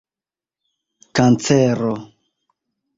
kancero